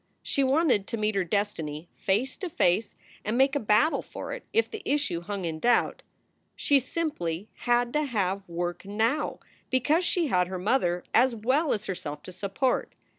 She wanted to meet her destiny face to face and make a battle for it if the issue hung in doubt. She simply had to have work now because she had her mother as well as herself to support.